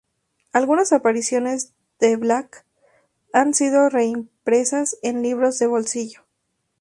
Algunas apariciones de Black han sido reimpresas en libros de bolsillo.